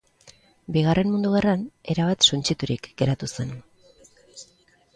Bigarren Mundu Gerran erabat suntsiturik geratu zen.